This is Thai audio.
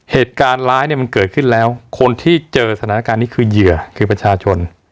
เหตุการณ์ร้ายเนี่ยมันเกิดขึ้นแล้วคนที่เจอสถานการณ์นี้คือเหยื่อคือประชาชน